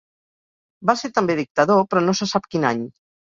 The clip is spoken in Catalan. Va ser també dictador, però no se sap quin any.